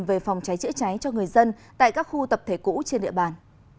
về phòng cháy chữa cháy cho người dân tại các khu tập thể cũ trên địa bàn